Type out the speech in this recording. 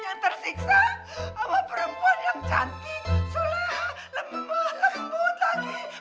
yang tersiksa sama perempuan yang cantik sulah lemah lembut lagi